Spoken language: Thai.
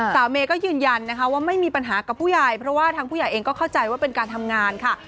เมย์ก็ยืนยันนะคะว่าไม่มีปัญหากับผู้ใหญ่เพราะว่าทางผู้ใหญ่เองก็เข้าใจว่าเป็นการทำงานค่ะ